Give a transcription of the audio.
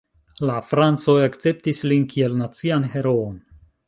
La francoj akceptis lin kiel nacian heroon.